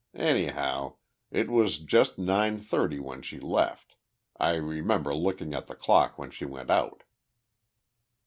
Anyhow, it was just nine thirty when she left. I remember looking at the clock when she went out."